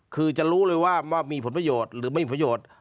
คือจะรู้เลยว่ามีผลประโยชน์หรือไม่มีประโยชน์